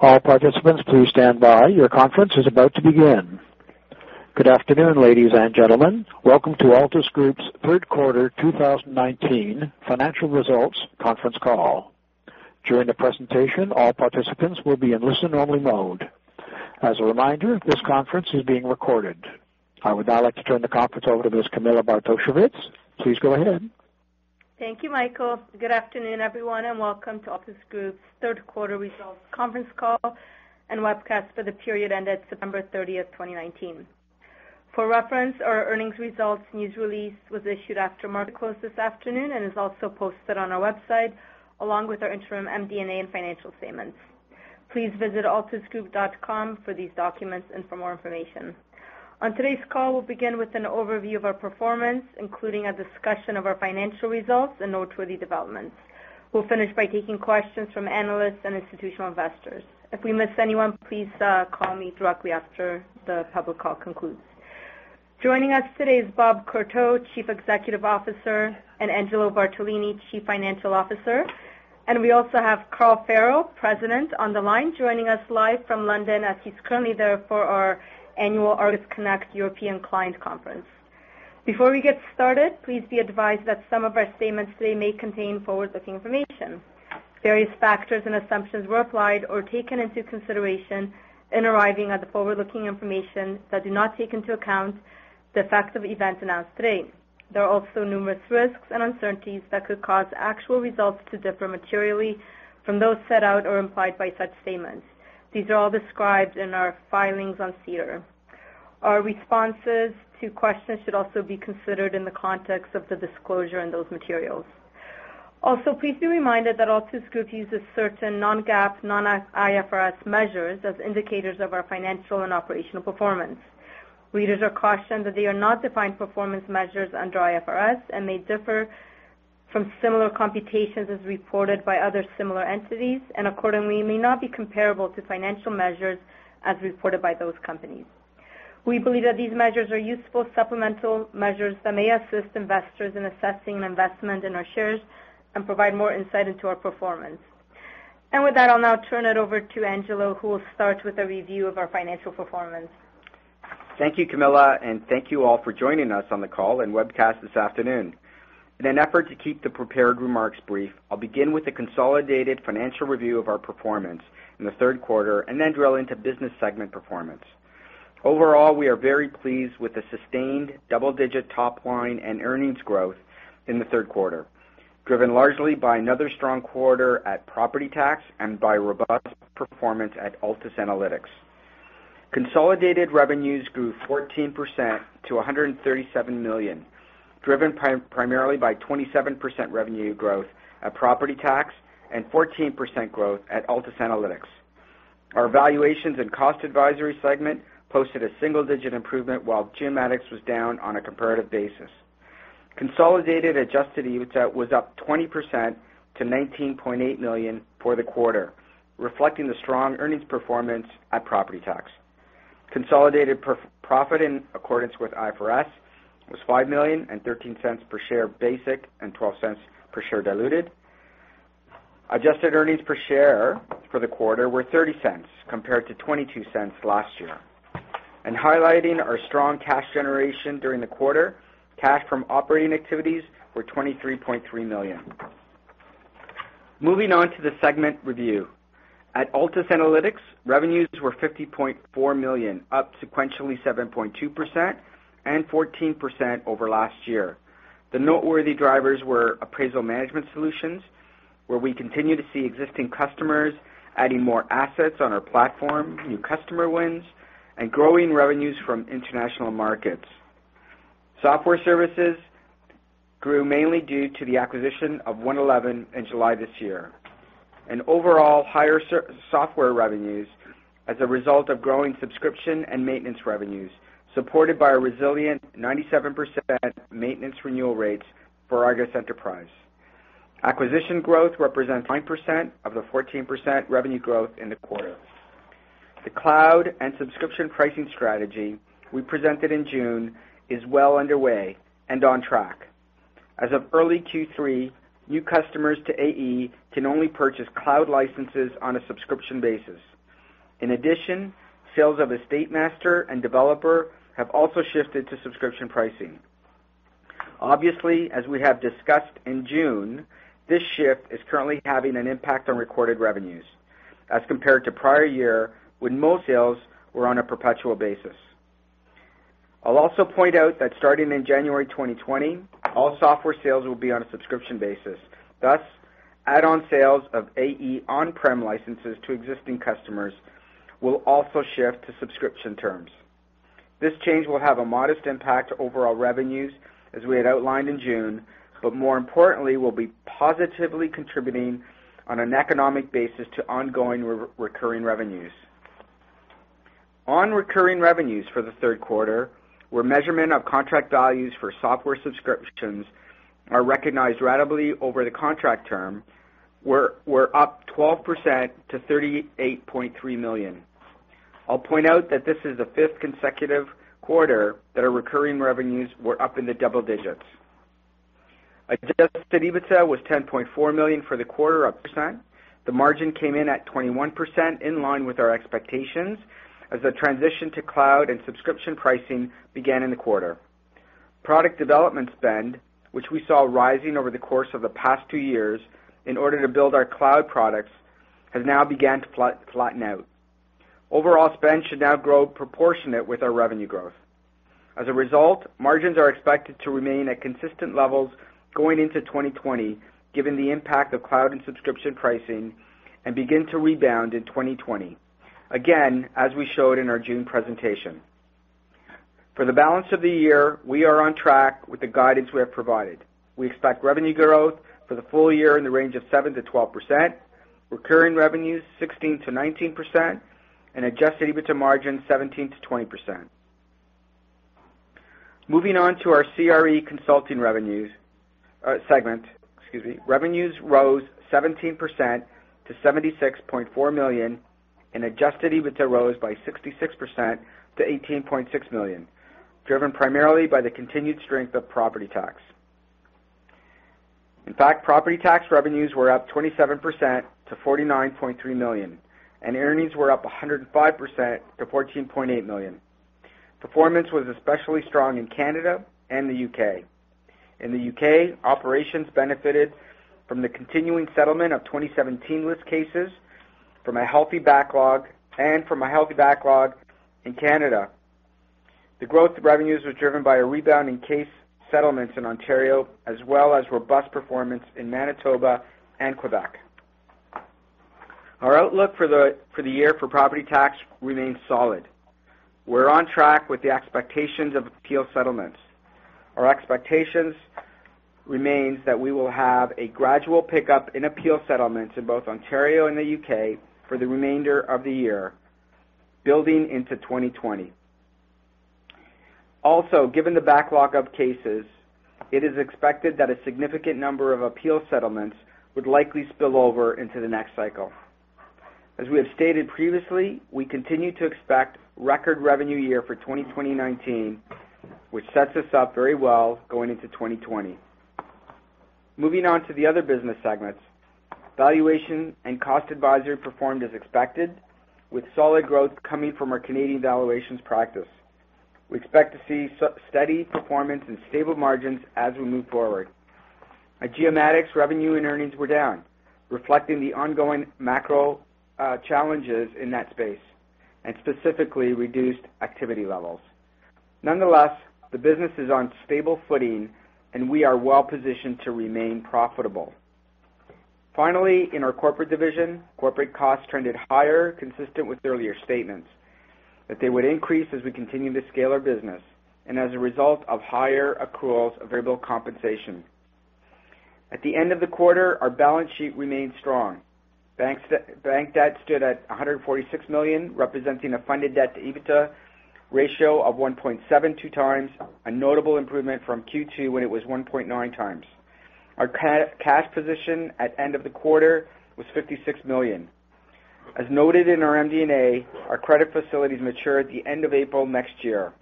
All participants, please stand by. Your conference is about to begin. Good afternoon, ladies and gentlemen. Welcome to Altus Group's third quarter 2019 financial results conference call. During the presentation, all participants will be in listen-only mode. As a reminder, this conference is being recorded. I would now like to turn the conference over to Ms. Camilla Bartosiewicz. Please go ahead. Thank you, Michael. Good afternoon, everyone, and welcome to Altus Group's third quarter results conference call and webcast for the period ended September 30, 2019. For reference, our earnings results news release was issued after market close this afternoon and is also posted on our website, along with our interim MD&A and financial statements. Please visit altusgroup.com for these documents and for more information. On today's call, we'll begin with an overview of our performance, including a discussion of our financial results and noteworthy developments. We'll finish by taking questions from analysts and institutional investors. If we miss anyone, please call me directly after the public call concludes. Joining us today is Bob Courteau, Chief Executive Officer, and Angelo Bartolini, Chief Financial Officer, and we also have Carl Farrell, President, on the line joining us live from London, as he's currently there for our annual ARGUS Connect European Client Conference. Before we get started, please be advised that some of our statements today may contain forward-looking information. Various factors and assumptions were applied or taken into consideration in arriving at the forward-looking information that do not take into account the facts of events announced today. There are also numerous risks and uncertainties that could cause actual results to differ materially from those set out or implied by such statements. These are all described in our filings on SEDAR. Our responses to questions should also be considered in the context of the disclosure in those materials. Also, please be reminded that Altus Group uses certain non-GAAP, non-IFRS measures as indicators of our financial and operational performance. Readers are cautioned that they are not defined performance measures under IFRS and may differ from similar computations as reported by other similar entities, accordingly, may not be comparable to financial measures as reported by those companies. We believe that these measures are useful supplemental measures that may assist investors in assessing an investment in our shares and provide more insight into our performance. With that, I'll now turn it over to Angelo, who will start with a review of our financial performance. Thank you, Camilla, and thank you all for joining us on the call and webcast this afternoon. In an effort to keep the prepared remarks brief, I'll begin with a consolidated financial review of our performance in the third quarter and then drill into business segment performance. Overall, we are very pleased with the sustained double-digit top line and earnings growth in the third quarter, driven largely by another strong quarter at Property Tax and by robust performance at Altus Analytics. Consolidated revenues grew 14% to 137 million, driven primarily by 27% revenue growth at Property Tax and 14% growth at Altus Analytics. Our valuation and cost advisory segment posted a single-digit improvement while Geomatics was down on a comparative basis. Consolidated adjusted EBITDA was up 20% to 19.8 million for the quarter, reflecting the strong earnings performance at Property Tax. Consolidated profit in accordance with IFRS was 5 million and 0.13 per share basic and 0.12 per share diluted. Adjusted earnings per share for the quarter were 0.30 compared to 0.22 last year. Highlighting our strong cash generation during the quarter, cash from operating activities were 23.3 million. Moving on to the segment review. At Altus Analytics, revenues were 50.4 million, up sequentially 7.2% and 14% over last year. The noteworthy drivers were appraisal management solutions, where we continue to see existing customers adding more assets on our platform, new customer wins, and growing revenues from international markets. Software services grew mainly due to the acquisition of One11 Advisors in July this year, and overall higher software revenues as a result of growing subscription and maintenance revenues, supported by a resilient 97% maintenance renewal rates for ARGUS Enterprise. Acquisition growth represents 9% of the 14% revenue growth in the quarter. The cloud and subscription pricing strategy we presented in June is well underway and on track. As of early Q3, new customers to AE can only purchase cloud licenses on a subscription basis. In addition, sales of EstateMaster and Developer have also shifted to subscription pricing. Obviously, as we have discussed in June, this shift is currently having an impact on recorded revenues as compared to prior year when most sales were on a perpetual basis. I'll also point out that starting in January 2020, all software sales will be on a subscription basis. Add-on sales of AE on-prem licenses to existing customers will also shift to subscription terms. This change will have a modest impact to overall revenues, as we had outlined in June, but more importantly, will be positively contributing on an economic basis to ongoing recurring revenues. On recurring revenues for the third quarter, where measurement of contract values for software subscriptions are recognized ratably over the contract term, were up 12% to 38.3 million. I'll point out that this is the fifth consecutive quarter that our recurring revenues were up in the double digits. Adjusted EBITDA was 10.4 million for the quarter, up percent. The margin came in at 21%, in line with our expectations, as the transition to cloud and subscription pricing began in the quarter. Product development spend, which we saw rising over the course of the past two years in order to build our cloud products, has now began to flatten out. Overall spend should now grow proportionate with our revenue growth. As a result, margins are expected to remain at consistent levels going into 2020, given the impact of cloud and subscription pricing, and begin to rebound in 2020, again, as we showed in our June presentation. For the balance of the year, we are on track with the guidance we have provided. We expect revenue growth for the full year in the range of 7%-12%, recurring revenues 16%-19%, and adjusted EBITDA margin 17%-20%. Moving on to our CRE consulting segment. Revenues rose 17% to 76.4 million and adjusted EBITDA rose by 66% to 18.6 million, driven primarily by the continued strength of Property Tax. In fact, Property Tax revenues were up 27% to 49.3 million, and earnings were up 105% to 14.8 million. Performance was especially strong in Canada and the U.K. In the U.K., operations benefited from the continuing settlement of 2017 list cases, from a healthy backlog. From a healthy backlog in Canada. The growth of revenues was driven by a rebound in case settlements in Ontario, as well as robust performance in Manitoba and Quebec. Our outlook for the year for Property Tax remains solid. We're on track with the expectations of appeal settlements. Our expectations remains that we will have a gradual pickup in appeal settlements in both Ontario and the U.K. for the remainder of the year, building into 2020. Also, given the backlog of cases, it is expected that a significant number of appeal settlements would likely spill over into the next cycle. As we have stated previously, we continue to expect record revenue year for 2019, which sets us up very well going into 2020. Moving on to the other business segments. Valuation and cost advisory performed as expected, with solid growth coming from our Canadian valuations practice. We expect to see steady performance and stable margins as we move forward. Our Geomatics revenue and earnings were down, reflecting the ongoing macro challenges in that space and specifically reduced activity levels. Nonetheless, the business is on stable footing, and we are well positioned to remain profitable. Finally, in our corporate division, corporate costs trended higher, consistent with earlier statements that they would increase as we continue to scale our business and as a result of higher accruals of variable compensation. At the end of the quarter, our balance sheet remained strong. Bank debt stood at 146 million, representing a funded debt-to-EBITDA ratio of 1.72x, a notable improvement from Q2, when it was 1.9x. Our cash position at end of the quarter was 56 million. As noted in our MD&A, our credit facilities mature at the end of April next year.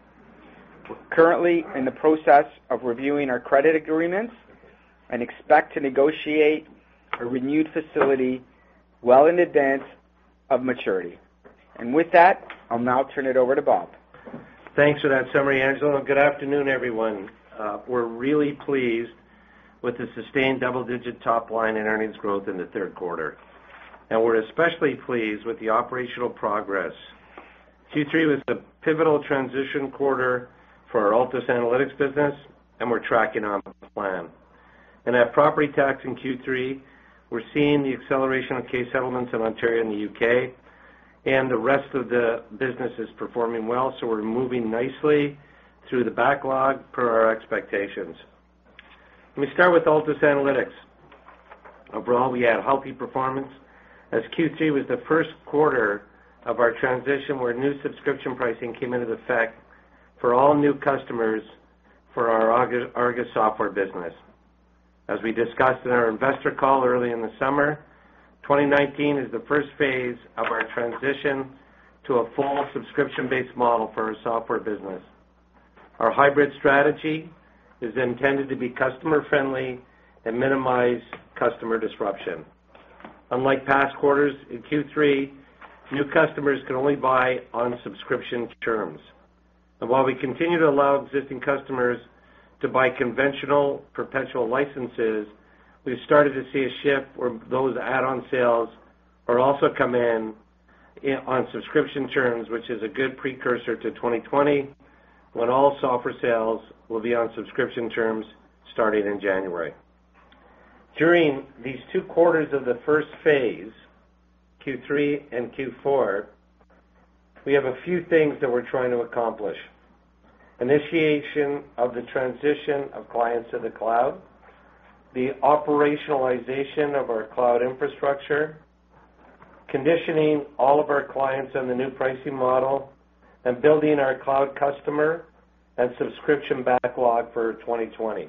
We're currently in the process of reviewing our credit agreements and expect to negotiate a renewed facility well in advance of maturity. With that, I'll now turn it over to Bob. Thanks for that summary, Angelo. Good afternoon, everyone. We're really pleased with the sustained double-digit top line and earnings growth in the third quarter. We're especially pleased with the operational progress. Q3 was the pivotal transition quarter for our Altus Analytics business, and we're tracking on plan. At Property Tax in Q3, we're seeing the acceleration of case settlements in Ontario and the U.K., and the rest of the business is performing well. We're moving nicely through the backlog per our expectations. Let me start with Altus Analytics. Overall, we had healthy performance as Q3 was the first quarter of our transition where new subscription pricing came into effect for all new customers for our ARGUS software business. As we discussed in our investor call early in the summer, 2019 is the first phase of our transition to a full subscription-based model for our software business. Our hybrid strategy is intended to be customer friendly and minimize customer disruption. Unlike past quarters, in Q3, new customers can only buy on subscription terms. While we continue to allow existing customers to buy conventional perpetual licenses, we've started to see a shift where those add-on sales are also come in on subscription terms, which is a good precursor to 2020, when all software sales will be on subscription terms starting in January. During these two quarters of the first phase, Q3 and Q4, we have a few things that we're trying to accomplish. Initiation of the transition of clients to the cloud, the operationalization of our cloud infrastructure, conditioning all of our clients on the new pricing model, and building our cloud customer and subscription backlog for 2020.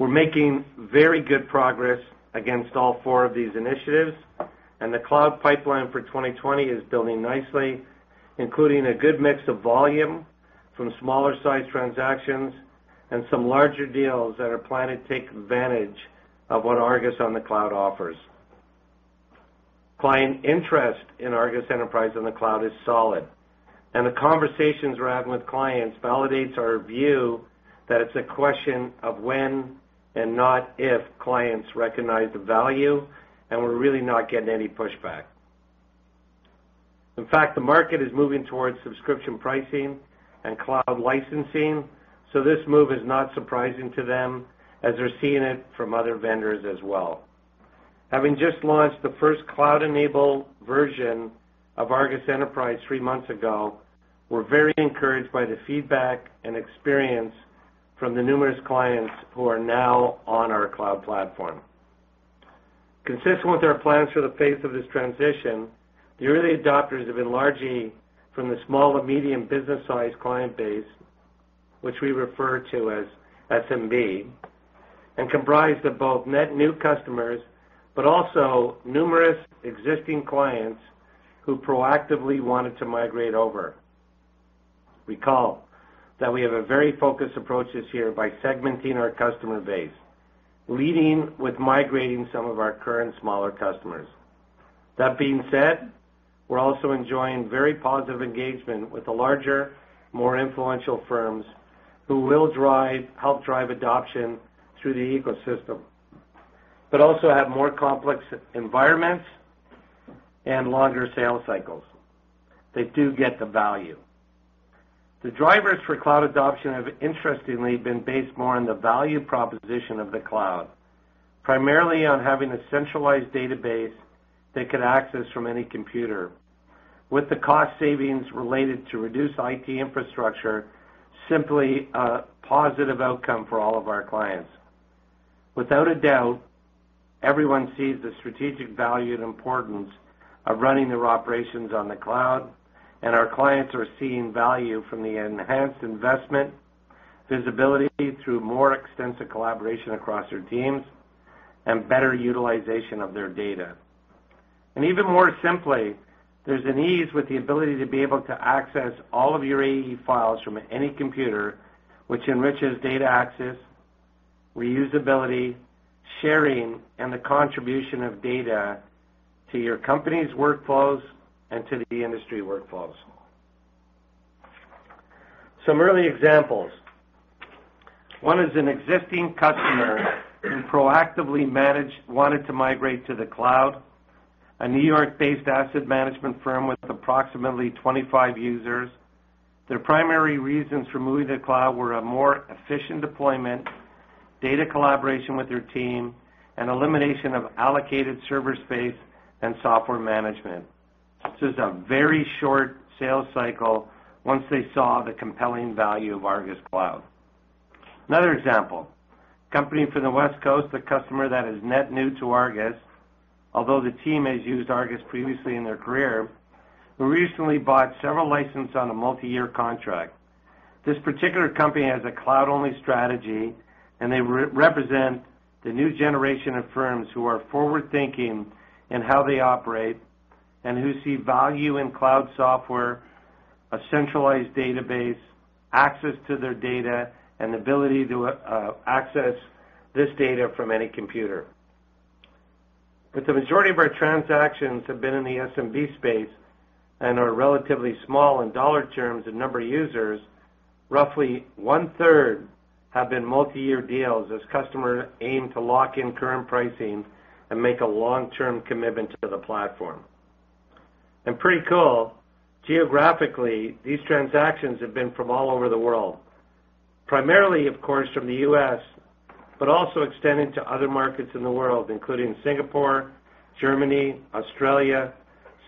We're making very good progress against all four of these initiatives. The cloud pipeline for 2020 is building nicely, including a good mix of volume from smaller-sized transactions and some larger deals that are planning to take advantage of what ARGUS on the cloud offers. Client interest in ARGUS Enterprise on the cloud is solid. The conversations we're having with clients validates our view that it's a question of when and not if clients recognize the value. We're really not getting any pushback. In fact, the market is moving towards subscription pricing and cloud licensing. This move is not surprising to them as they're seeing it from other vendors as well. Having just launched the first cloud-enabled version of ARGUS Enterprise three months ago, we're very encouraged by the feedback and experience from the numerous clients who are now on our cloud platform. Consistent with our plans for the pace of this transition, the early adopters have been largely from the small and medium business-sized client base, which we refer to as SMB, and comprised of both net new customers but also numerous existing clients who proactively wanted to migrate over. Recall that we have a very focused approach this year by segmenting our customer base, leading with migrating some of our current smaller customers. That being said, we're also enjoying very positive engagement with the larger, more influential firms who will help drive adoption through the ecosystem. Also have more complex environments and longer sales cycles. They do get the value. The drivers for cloud adoption have interestingly, been based more on the value proposition of the cloud, primarily on having a centralized database they could access from any computer, with the cost savings related to reduced IT infrastructure simply a positive outcome for all of our clients. Without a doubt, everyone sees the strategic value and importance of running their operations on the cloud. Our clients are seeing value from the enhanced investment, visibility through more extensive collaboration across their teams, and better utilization of their data. Even more simply, there's an ease with the ability to be able to access all of your AE files from any computer, which enriches data access, reusability, sharing, and the contribution of data to your company's workflows and to the industry workflows. Some early examples. One is an existing customer who proactively wanted to migrate to the cloud, a New York-based asset management firm with approximately 25 users. Their primary reasons for moving to the cloud were a more efficient deployment, data collaboration with their team, and elimination of allocated server space and software management. This is a very short sales cycle once they saw the compelling value of ARGUS Cloud. Another example. A company from the West Coast, a customer that is net new to ARGUS, although the team has used ARGUS previously in their career, who recently bought several license on a multi-year contract. This particular company has a cloud-only strategy, and they represent the new generation of firms who are forward-thinking in how they operate and who see value in cloud software, a centralized database, access to their data, and ability to access this data from any computer. The majority of our transactions have been in the SMB space and are relatively small in dollar terms and number of users. Roughly one-third have been multi-year deals as customers aim to lock in current pricing and make a long-term commitment to the platform. Pretty cool, geographically, these transactions have been from all over the world. Primarily, of course, from the U.S., but also extending to other markets in the world, including Singapore, Germany, Australia,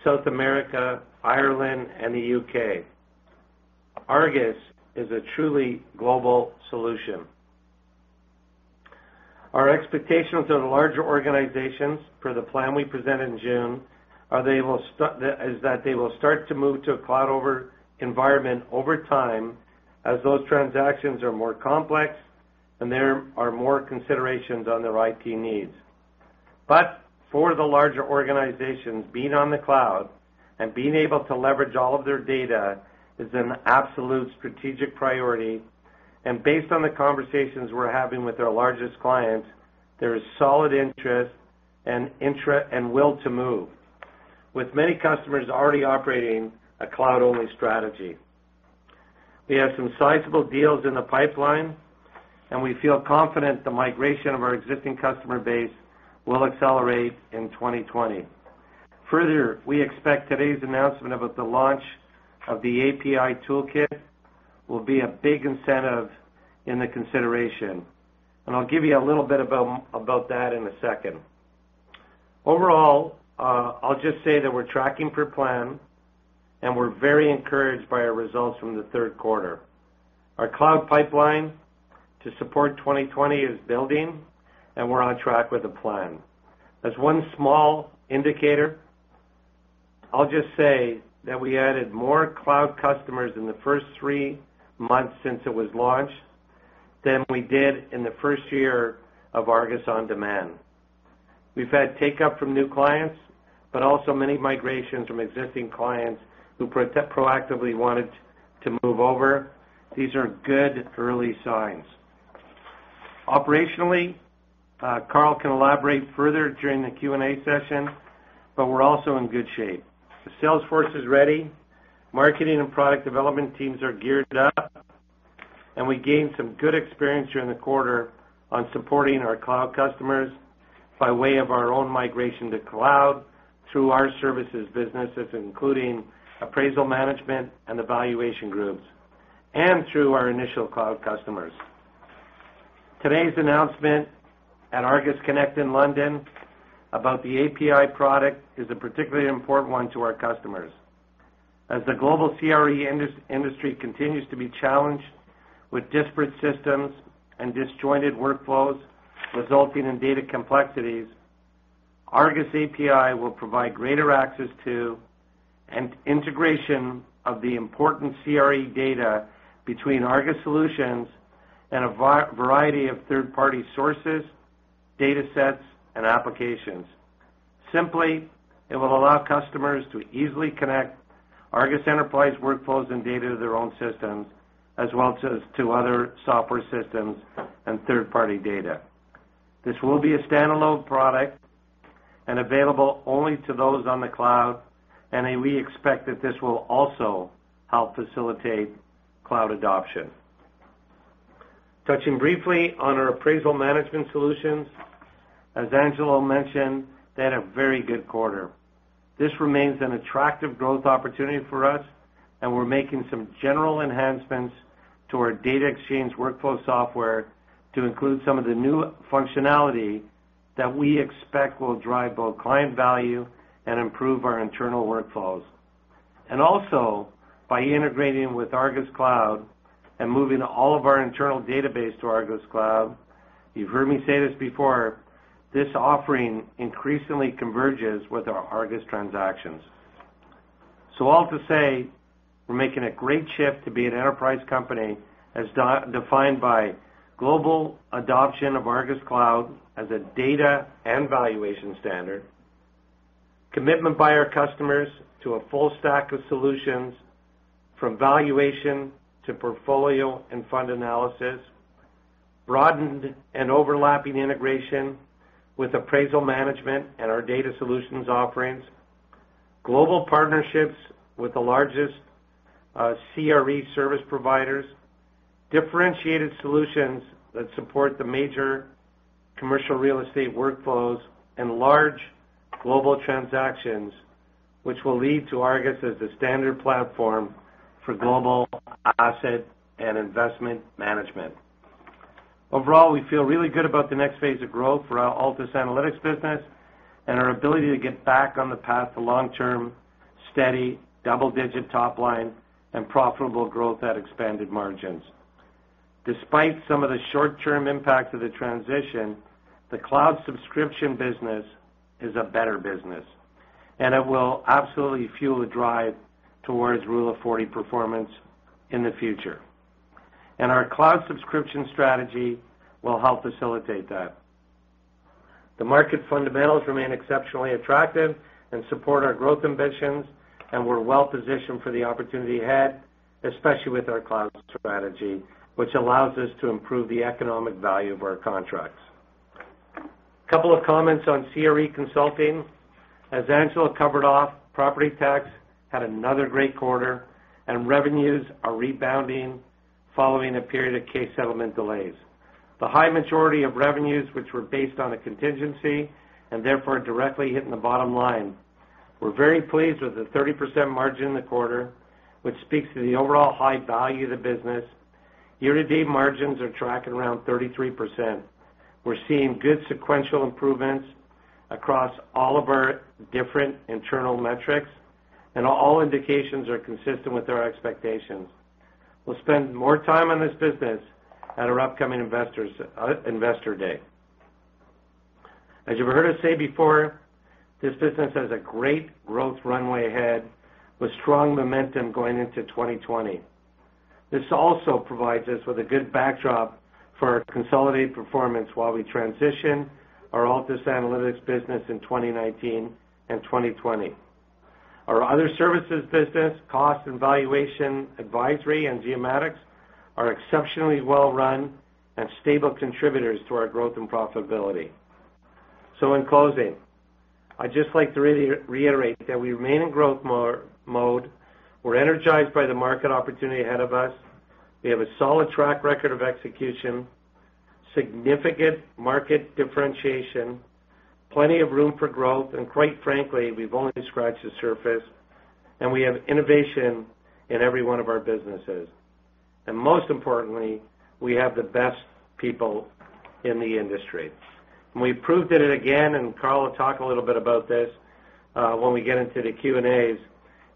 South America, Ireland, and the U.K. ARGUS is a truly global solution. Our expectations of the larger organizations for the plan we presented in June, is that they will start to move to a cloud environment over time as those transactions are more complex and there are more considerations on their IT needs. For the larger organizations, being on the cloud and being able to leverage all of their data is an absolute strategic priority, and based on the conversations we're having with our largest clients, there is solid interest and will to move, with many customers already operating a cloud-only strategy. We have some sizable deals in the pipeline, and we feel confident the migration of our existing customer base will accelerate in 2020. Further, we expect today's announcement about the launch of the API toolkit will be a big incentive in the consideration. I'll give you a little bit about that in a second. Overall, I'll just say that we're tracking per plan, and we're very encouraged by our results from the third quarter. Our cloud pipeline to support 2020 is building, and we're on track with the plan. As one small indicator, I'll just say that we added more cloud customers in the first three months since it was launched than we did in the first year of ARGUS On Demand. We've had take-up from new clients, but also many migrations from existing clients who proactively wanted to move over. These are good early signs. Operationally, Carl can elaborate further during the Q&A session, but we're also in good shape. The sales force is ready. Marketing and product development teams are geared up. We gained some good experience during the quarter on supporting our cloud customers by way of our own migration to cloud, through our services businesses, including appraisal management and valuation groups, and through our initial cloud customers. Today's announcement at ARGUS Connect in London about the API product is a particularly important one to our customers. As the global CRE industry continues to be challenged with disparate systems and disjointed workflows resulting in data complexities, ARGUS API will provide greater access to and integration of the important CRE data between ARGUS solutions and a variety of third-party sources, datasets, and applications. Simply, it will allow customers to easily connect ARGUS Enterprise workflows and data to their own systems, as well as to other software systems and third-party data. This will be a standalone product and available only to those on the cloud, and we expect that this will also help facilitate cloud adoption. Touching briefly on our appraisal management solutions. As Angelo mentioned, they had a very good quarter. This remains an attractive growth opportunity for us, and we're making some general enhancements to our data exchange workflow software to include some of the new functionality that we expect will drive both client value and improve our internal workflows. Also by integrating with ARGUS Cloud and moving all of our internal database to ARGUS Cloud, you've heard me say this before, this offering increasingly converges with our ARGUS transactions. All to say, we're making a great shift to be an enterprise company as defined by global adoption of ARGUS Cloud as a data and valuation standard. Commitment by our customers to a full stack of solutions from valuation to portfolio and fund analysis. Broadened and overlapping integration with appraisal management and our data solutions offerings. Global partnerships with the largest CRE service providers. Differentiated solutions that support the major commercial real estate workflows and large global transactions, which will lead to ARGUS as the standard platform for global asset and investment management. Overall, we feel really good about the next phase of growth for our Altus Analytics business and our ability to get back on the path to long-term, steady, double-digit top line and profitable growth at expanded margins. Despite some of the short-term impacts of the transition, the cloud subscription business is a better business, it will absolutely fuel the drive towards Rule of 40 performance in the future. Our cloud subscription strategy will help facilitate that. The market fundamentals remain exceptionally attractive and support our growth ambitions, we're well-positioned for the opportunity ahead, especially with our cloud strategy, which allows us to improve the economic value of our contracts. Couple of comments on CRE Consulting. As Angelo covered off, Property Tax had another great quarter. Revenues are rebounding following a period of case settlement delays. The high majority of revenues which were based on a contingency, and therefore directly hitting the bottom line. We're very pleased with the 30% margin in the quarter, which speaks to the overall high value of the business. Year-to-date margins are tracking around 33%. We're seeing good sequential improvements across all of our different internal metrics. All indications are consistent with our expectations. We'll spend more time on this business at our upcoming Investor Day. As you've heard us say before, this business has a great growth runway ahead, with strong momentum going into 2020. This also provides us with a good backdrop for our consolidated performance while we transition our Altus Analytics business in 2019 and 2020. Our other services business, valuation and cost advisory, and Geomatics, are exceptionally well-run and stable contributors to our growth and profitability. In closing, I'd just like to reiterate that we remain in growth mode. We're energized by the market opportunity ahead of us. We have a solid track record of execution, significant market differentiation, plenty of room for growth, and quite frankly, we've only scratched the surface, and we have innovation in every one of our businesses. Most importantly, we have the best people in the industry. We proved it again, and Carl will talk a little bit about this when we get into the Q&As.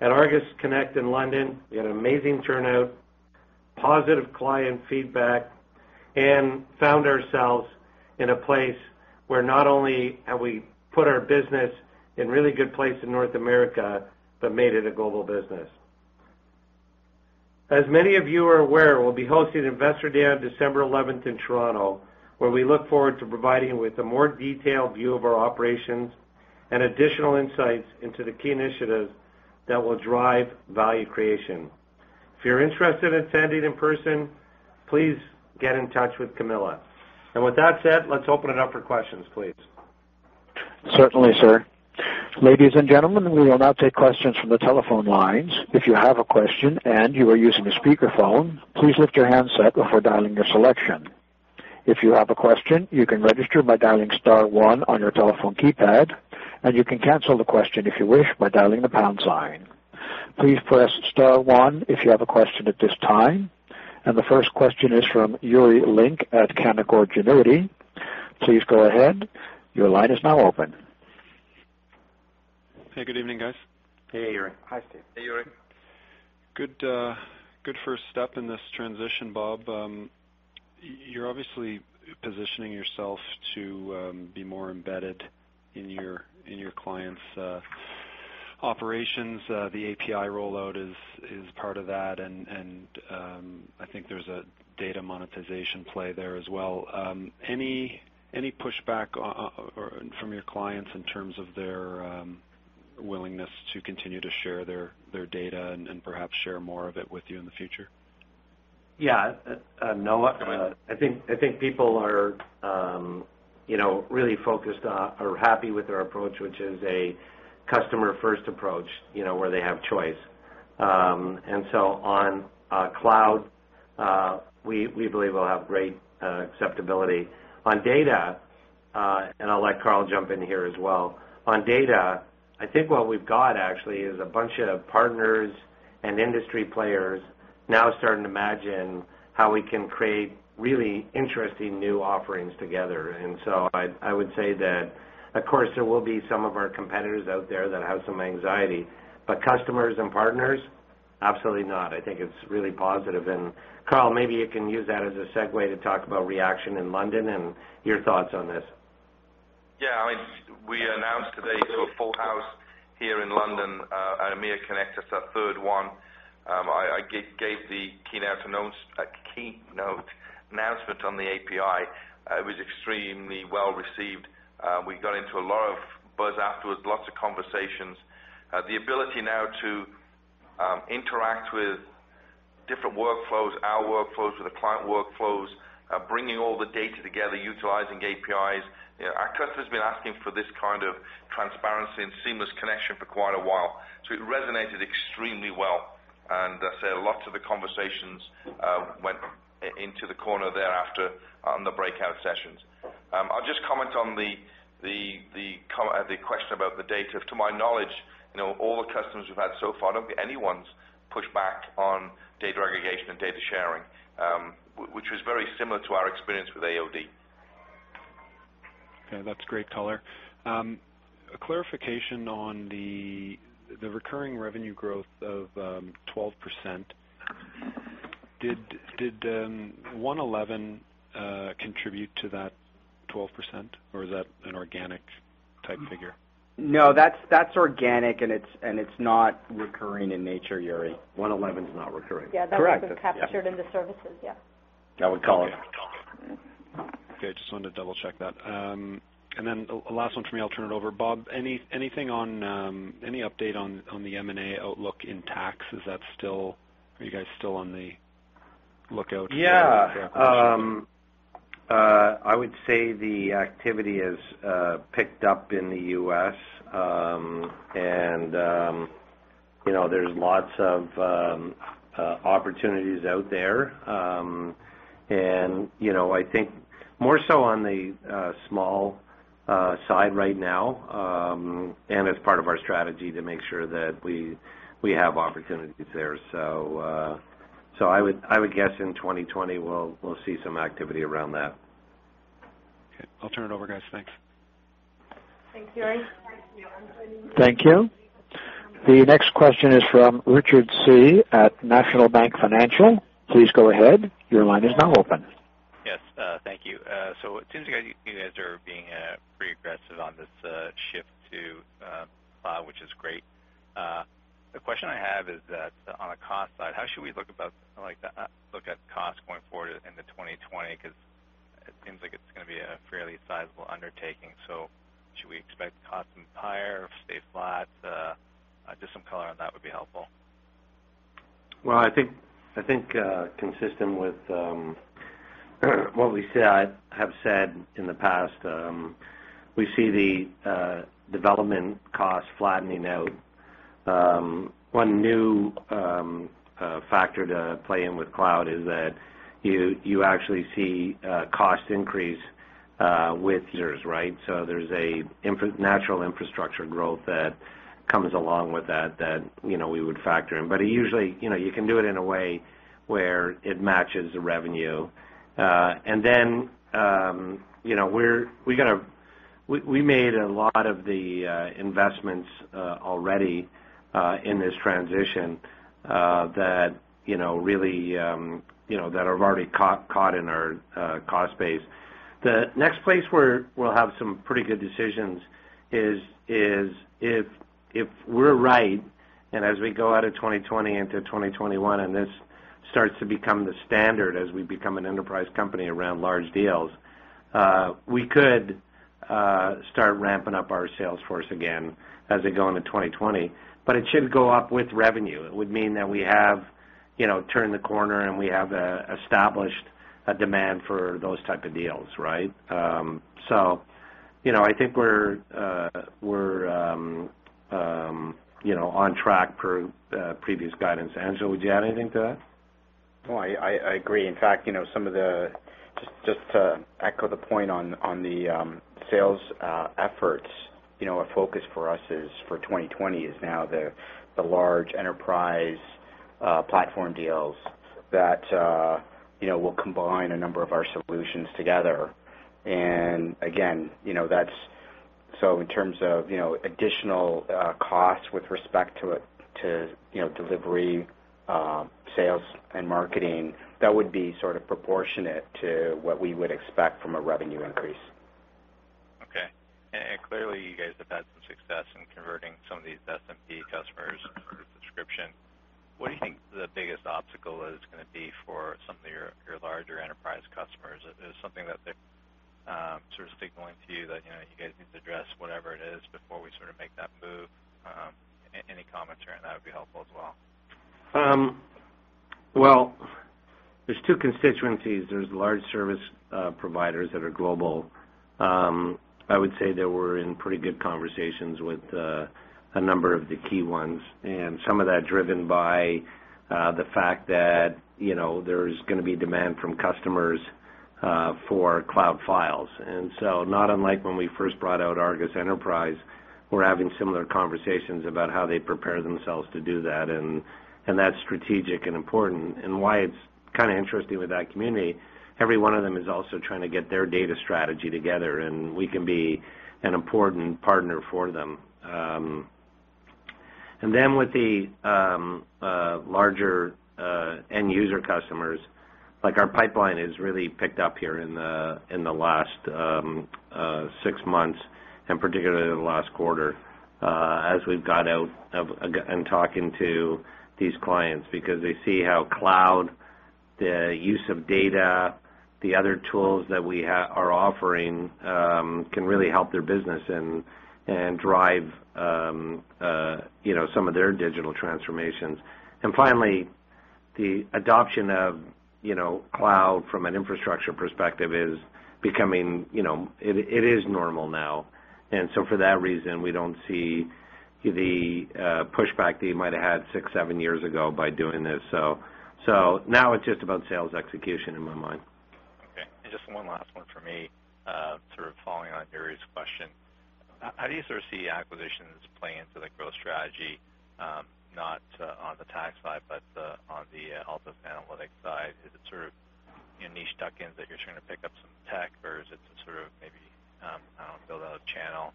At ARGUS Connect in London, we had an amazing turnout, positive client feedback, and found ourselves in a place where not only have we put our business in a really good place in North America, but made it a global business. As many of you are aware, we'll be hosting Investor Day on December 11th in Toronto, where we look forward to providing you with a more detailed view of our operations and additional insights into the key initiatives that will drive value creation. If you're interested in attending in person, please get in touch with Camilla. With that said, let's open it up for questions, please. Certainly, sir. Ladies and gentlemen, we will now take questions from the telephone lines. If you have a question and you are using a speakerphone, please lift your handset before dialing your selection. If you have a question, you can register by dialing star one on your telephone keypad, and you can cancel the question if you wish by dialing the pound sign. Please press star one if you have a question at this time. The first question is from Yuri Lynk at Canaccord Genuity. Please go ahead. Your line is now open. Hey, good evening, guys. Hey, Yuri. Hey, Yuri. Good first step in this transition, Bob. You're obviously positioning yourself to be more embedded in your clients' operations. The API rollout is part of that. I think there's a data monetization play there as well. Any pushback from your clients in terms of their willingness to continue to share their data and perhaps share more of it with you in the future? No, I think people are really focused or happy with our approach, which is a customer-first approach, where they have choice. On cloud, we believe we'll have great acceptability. On data, I'll let Carl jump in here as well. On data, I think what we've got actually is a bunch of partners and industry players now starting to imagine how we can create really interesting new offerings together. I would say that, of course, there will be some of our competitors out there that have some anxiety, but customers and partners, absolutely not. I think it's really positive. Carl, maybe you can use that as a segue to talk about reaction in London and your thoughts on this. Yeah, we announced today to a full house here in London, EMEA Connect. It's our third one. I gave the keynote announcement on the API. It was extremely well-received. We got into a lot of buzz afterwards, lots of conversations. The ability now to interact with different workflows, our workflows with the client workflows, bringing all the data together, utilizing APIs. Our customers have been asking for this kind of transparency and seamless connection for quite a while. It resonated extremely well. As I say, lots of the conversations went into the corner thereafter on the breakout sessions. I'll just comment on the question about the data. To my knowledge, all the customers we've had so far, I don't think anyone's pushed back on data aggregation and data sharing, which was very similar to our experience with AOD. That's great color. A clarification on the recurring revenue growth of 12%. Did One11 contribute to that 12%, or is that an organic type figure? No, that's organic, and it's not recurring in nature, Yuri. One11 is not recurring. Correct. Yeah, that would have been captured in the services. Yeah. That would call it. Okay. Just wanted to double-check that. Last one from me, I'll turn it over. Bob, any update on the M&A outlook in tax? Are you guys still on the lookout? Yeah. I would say the activity has picked up in the U.S., and there's lots of opportunities out there. I think more so on the small side right now, and it's part of our strategy to make sure that we have opportunities there. I would guess in 2020 we'll see some activity around that. Okay. I'll turn it over, guys. Thanks. Thanks, Yuri. Thank you. The next question is from Richard Tse at National Bank Financial. Please go ahead. Your line is now open. Yes. Thank you. It seems you guys are being pretty aggressive on this shift to cloud, which is great. The question I have is that on a cost side, how should we look at cost going forward into 2020? It seems like it's going to be a fairly sizable undertaking. Should we expect costs higher or stay flat? Just some color on that would be helpful. Well, I think consistent with what we have said in the past, we see the development cost flattening out. One new factor to play in with cloud is that you actually see cost increase with users, right? There's a natural infrastructure growth that comes along with that we would factor in. Usually, you can do it in a way where it matches the revenue. We made a lot of the investments already in this transition that have already caught in our cost base. The next place where we'll have some pretty good decisions is if we're right, and as we go out of 2020 into 2021, and this starts to become the standard as we become an enterprise company around large deals, we could start ramping up our sales force again as we go into 2020. It should go up with revenue. It would mean that we have turned the corner, and we have established a demand for those type of deals. I think we're on track per previous guidance. Angelo, would you add anything to that? No, I agree. In fact, just to echo the point on the sales efforts. A focus for us for 2020 is now the large enterprise platform deals that will combine a number of our solutions together. Again, in terms of additional costs with respect to delivery, sales, and marketing, that would be sort of proportionate to what we would expect from a revenue increase. Okay. Clearly you guys have had some success in converting some of these SMB customers to subscription. What do you think the biggest obstacle is going to be for some of your larger enterprise customers? Is it something that they're sort of signaling to you that you guys need to address whatever it is before we sort of make that move? Any commentary on that would be helpful as well. There's two constituencies. There's large service providers that are global. I would say that we're in pretty good conversations with a number of the key ones, some of that driven by the fact that there's going to be demand from customers for cloud files. Not unlike when we first brought out ARGUS Enterprise, we're having similar conversations about how they prepare themselves to do that's strategic and important. Why it's kind of interesting with that community, every one of them is also trying to get their data strategy together, we can be an important partner for them. With the larger end user customers, our pipeline has really picked up here in the last six months, and particularly in the last quarter as we've got out and talking to these clients because they see how cloud, the use of data, the other tools that we are offering can really help their business and drive some of their digital transformations. Finally, the adoption of cloud from an infrastructure perspective is becoming normal now. For that reason, we don't see the pushback that you might have had six, seven years ago by doing this. Now it's just about sales execution in my mind. Okay. Just one last one from me, sort of following on Yuri's question. How do you sort of see acquisitions play into the growth strategy? Not on the tax side, but on the Altus Analytics side? Is it sort of niche tuck-ins that you're trying to pick up some tech, or is it to sort of maybe, I don't know, build out a channel?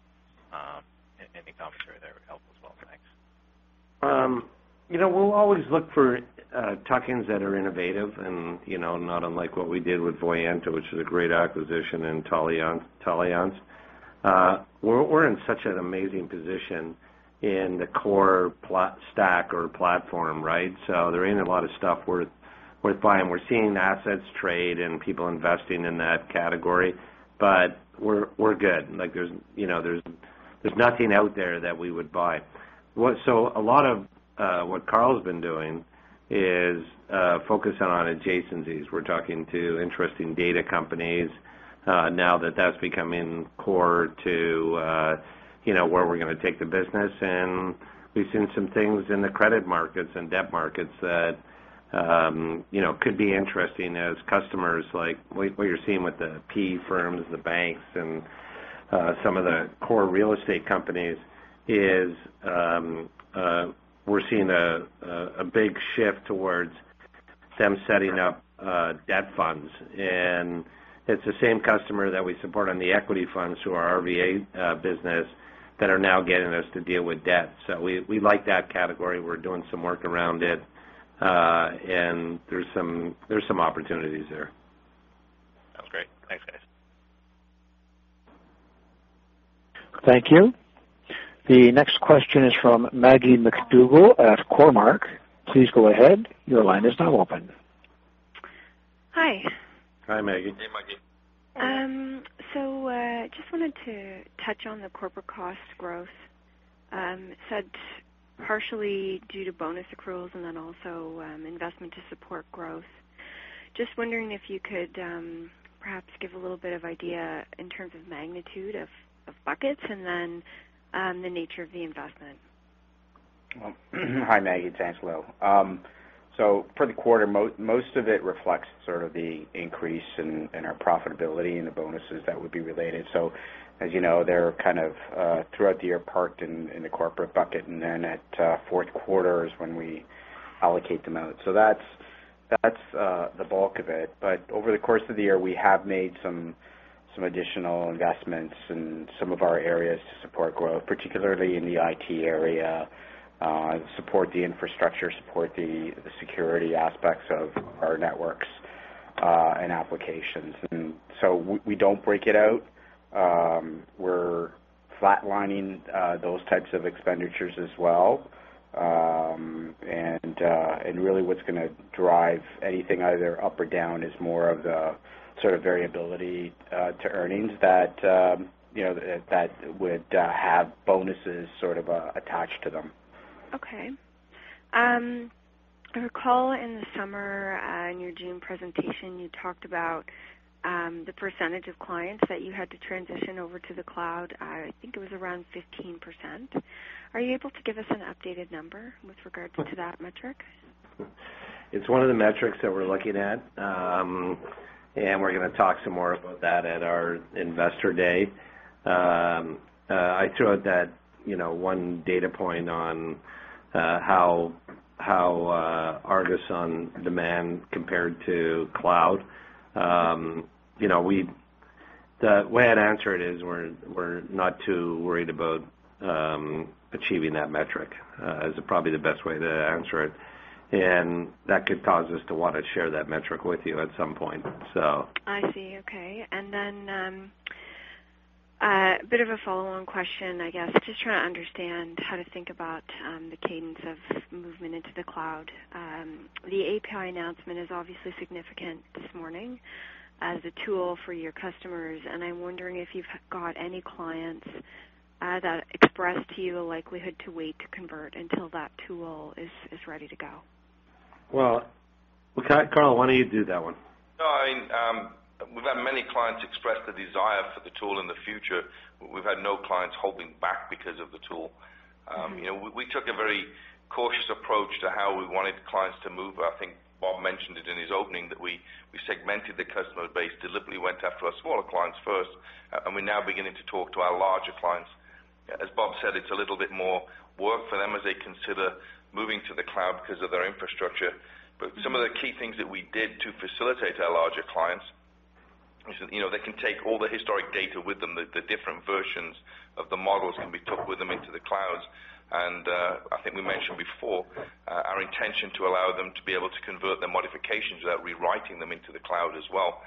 Any commentary there would help as well. Thanks. We'll always look for tuck-ins that are innovative and not unlike what we did with Voyanta, which is a great acquisition, and Taliance. We're in such an amazing position in the core stack or platform, right? There ain't a lot of stuff worth buying. We're seeing assets trade and people investing in that category. We're good. There's nothing out there that we would buy. A lot of what Carl's been doing is focusing on adjacencies. We're talking to interesting data companies now that that's becoming core to where we're going to take the business. We've seen some things in the credit markets and debt markets that could be interesting as customers like what you're seeing with the PE firms, the banks, and some of the core real estate companies is we're seeing a big shift towards them setting up debt funds. It's the same customer that we support on the equity funds through our RVA business that are now getting us to deal with debt. We like that category. We're doing some work around it. There's some opportunities there. Sounds great. Thanks, guys. Thank you. The next question is from Maggie MacDougall at Cormark. Please go ahead. Your line is now open. Hi. Hi, Maggie. Hey, Maggie. Just wanted to touch on the corporate cost growth. Said partially due to bonus accruals and then also investment to support growth. Just wondering if you could perhaps give a little bit of idea in terms of magnitude of buckets and then the nature of the investment. Well, hi, Maggie. It's Angelo. For the quarter, most of it reflects sort of the increase in our profitability and the bonuses that would be related. As you know, they're kind of throughout the year parked in the corporate bucket, and then at fourth quarter is when we allocate them out. That's the bulk of it. Over the course of the year, we have made some additional investments in some of our areas to support growth, particularly in the IT area, support the infrastructure, support the security aspects of our networks and applications. We don't break it out. We're flatlining those types of expenditures as well. Really what's going to drive anything either up or down is more of the sort of variability to earnings that would have bonuses sort of attached to them. Okay. I recall in the summer, in your June presentation, you talked about the percentage of clients that you had to transition over to the cloud. I think it was around 15%. Are you able to give us an updated number with regard to that metric? It's one of the metrics that we're looking at. We're going to talk some more about that at our Investor Day. I threw out that one data point on how ARGUS On Demand compared to cloud. The way I'd answer it is we're not too worried about achieving that metric. Is probably the best way to answer it. That could cause us to want to share that metric with you at some point. I see. Okay. A bit of a follow-on question, I guess, just trying to understand how to think about the cadence of movement into the cloud. The API announcement is obviously significant this morning as a tool for your customers, and I'm wondering if you've got any clients that expressed to you the likelihood to wait to convert until that tool is ready to go. Well, Carl, why don't you do that one? We've had many clients express the desire for the tool in the future. We've had no clients holding back because of the tool. We took a very cautious approach to how we wanted clients to move. I think Bob mentioned it in his opening that we segmented the customer base deliberately, went after our smaller clients first, and we're now beginning to talk to our larger clients. As Bob said, it's a little bit more work for them as they consider moving to the cloud because of their infrastructure. Some of the key things that we did to facilitate our larger clients, they can take all the historic data with them. The different versions of the models can be took with them into the clouds. I think we mentioned before our intention to allow them to be able to convert their modifications without rewriting them into the cloud as well.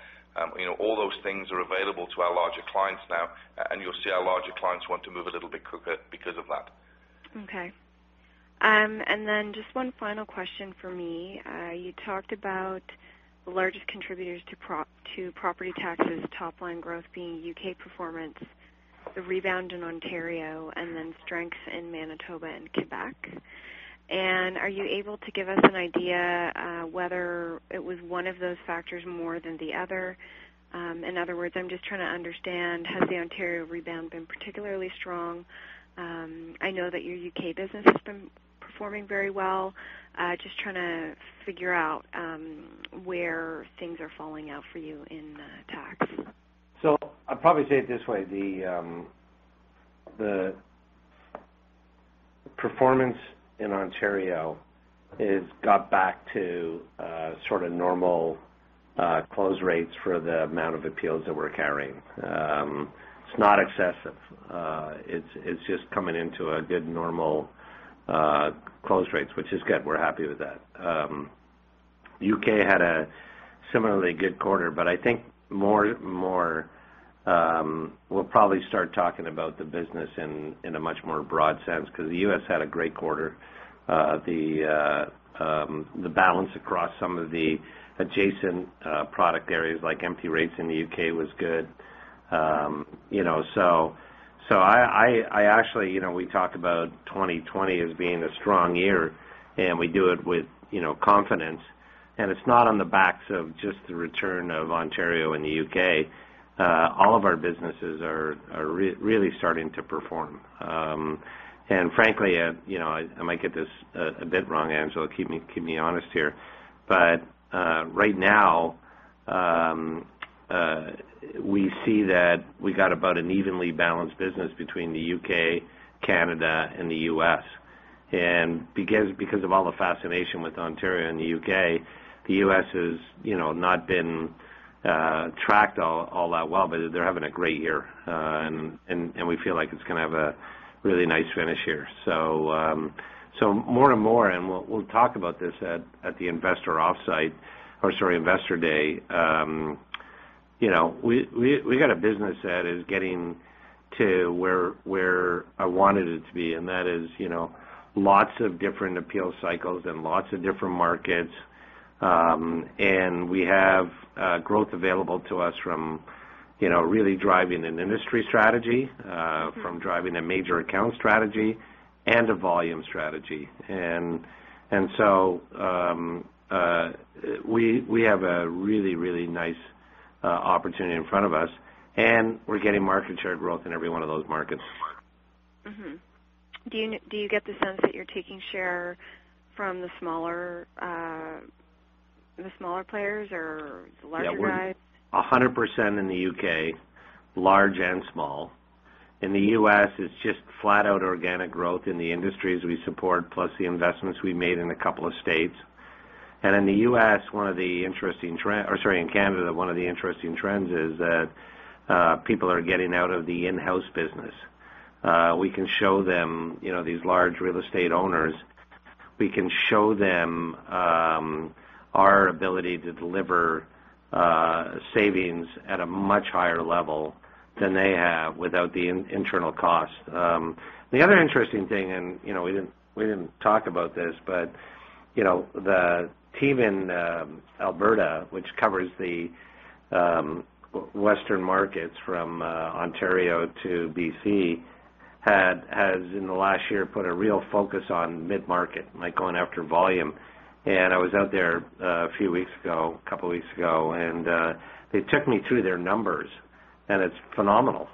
All those things are available to our larger clients now, and you'll see our larger clients want to move a little bit quicker because of that. Okay. Then just one final question for me. You talked about the largest contributors to Property Tax, top-line growth being U.K. performance, the rebound in Ontario, and then strength in Manitoba and Quebec. Are you able to give us an idea whether it was one of those factors more than the other? In other words, I'm just trying to understand, has the Ontario rebound been particularly strong? I know that your U.K. business has been performing very well. Just trying to figure out where things are falling out for you in tax. I'd probably say it this way. The performance in Ontario has got back to sort of normal close rates for the amount of appeals that we're carrying. It's not excessive. It's just coming into a good normal close rates, which is good. We're happy with that. U.K. had a similarly good quarter, but I think more we'll probably start talking about the business in a much more broad sense because the U.S. had a great quarter. The balance across some of the adjacent product areas like Empty Rates in the U.K. was good. Actually, we talk about 2020 as being a strong year, and we do it with confidence. It's not on the backs of just the return of Ontario and the U.K. All of our businesses are really starting to perform. Frankly, I might get this a bit wrong, Angelo, keep me honest here. Right now, we see that we got about an evenly balanced business between the U.K., Canada, and the U.S. Because of all the fascination with Ontario and the U.K., the U.S. has not been tracked all that well, but they're having a great year. We feel like it's going to have a really nice finish here. More and more, and we'll talk about this at the investor offsite, or sorry, Investor Day. We got a business that is getting to where I wanted it to be, and that is lots of different appeal cycles and lots of different markets. We have growth available to us from really driving an industry strategy, from driving a major account strategy, and a volume strategy. We have a really, really nice opportunity in front of us, and we're getting market share growth in every one of those markets. Mm-hmm. Do you get the sense that you're taking share from the smaller players or the larger guys? Yeah. 100% in the U.K., large and small. In the U.S., it's just flat-out organic growth in the industries we support, plus the investments we made in a couple of states. In Canada, one of the interesting trends is that people are getting out of the in-house business. We can show these large real estate owners our ability to deliver savings at a much higher level than they have without the internal cost. The other interesting thing, and we didn't talk about this, but the team in Alberta, which covers the western markets from Ontario to B.C., has in the last year put a real focus on mid-market, like going after volume. I was out there a few weeks ago, a couple of weeks ago, and they took me through their numbers, and it's phenomenal.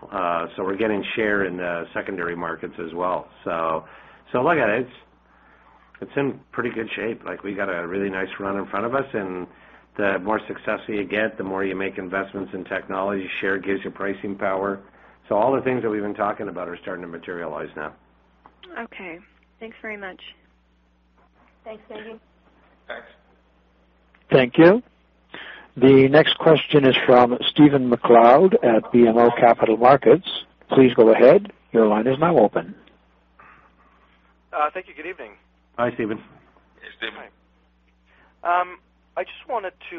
We're getting share in secondary markets as well. Look at it's in pretty good shape. We got a really nice run in front of us, and the more success you get, the more you make investments in technology, share gives you pricing power. All the things that we've been talking about are starting to materialize now. Okay. Thanks very much. Thanks, Maggie. Thanks. Thank you. The next question is from Stephen MacLeod at BMO Capital Markets. Please go ahead. Your line is now open. Thank you. Good evening. Hi, Stephen. Hey, Stephen. Hi. I just wanted to